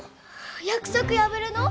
約束破るの？